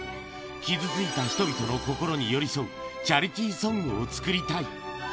傷ついた人々の心に寄り添うチャリティーソングを作りたい。